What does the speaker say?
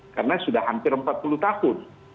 karena sudah hampir empat puluh tahun